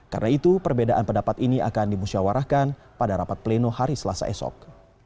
karena itu perbedaan pendapat ini akan dimusyawarahkan pada rapat pleno hari selasa esok